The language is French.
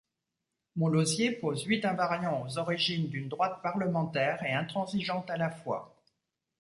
Montlosier pose huit invariants aux origines d'une droite parlementaire et intransigeante à la fois.